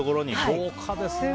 豪華ですね。